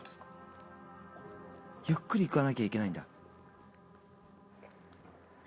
ゆっくり行かなきゃいけないんだ。